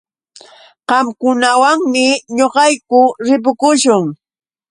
Qamkunawanmi ñuqayku ripukuśhun.